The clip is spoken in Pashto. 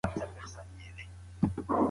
په کتابونو کي د نړۍ رازونه پټ دي.